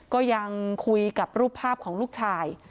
ก็ยังคุยกับรูปภาพของลูกชาย